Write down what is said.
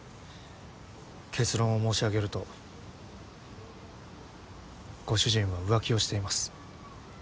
結論を申し上げるとご主人は浮気をしています。